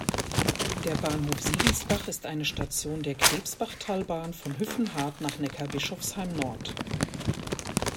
Der Bahnhof Siegelsbach ist eine Station der Krebsbachtalbahn von Hüffenhardt nach Neckarbischofsheim Nord.